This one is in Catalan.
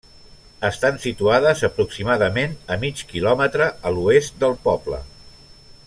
Estan situades aproximadament a mig quilòmetre a l’oest del poble.